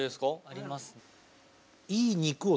あります。